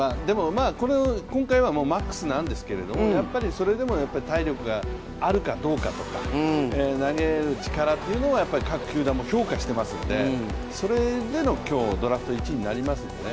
今回はＭＡＸなんですけれども、それでも体力があるかどうかとか投げる力っていうのを各球団も評価してますので、それでの今日、ドラフト１位になりますね。